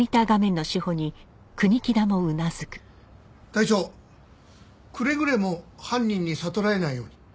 隊長くれぐれも犯人に悟られないように。